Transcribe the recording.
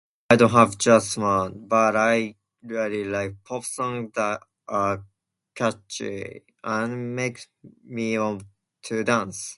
I don't have just one, but I really like pop song that, uh, catchy, and makes me up to dance.